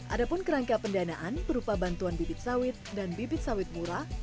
ada pun kerangka pendanaan berupa bantuan bibit sawit dan bibit sawit murah